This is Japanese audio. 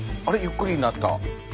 ゆっくりになった！